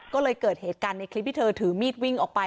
ก็เลยเกิดเหตุการณ์ในคลิปที่เธอถือมีดวิ่งออกไป